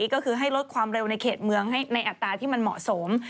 ก็คือให้ลดความเร็วในเขตเมืองให้ในอัตราที่มันเหมาะสม